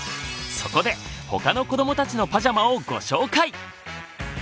そこで他の子どもたちのパジャマをご紹介！